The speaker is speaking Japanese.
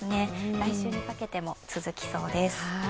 来週にかけても続きそうです。